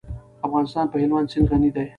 افغانستان په هلمند سیند غني دی.